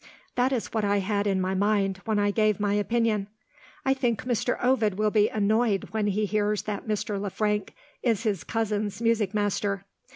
That is what I had in my mind, when I gave my opinion. I think Mr. Ovid will be annoyed when he hears that Mr. Le Frank is his cousin's music master.